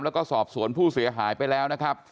แล้วก็สอบสวนผู้เสียหายไปแล้วนะครับ